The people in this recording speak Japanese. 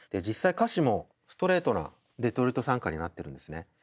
実際歌詞もストレートなデトロイト賛歌になってるんですね。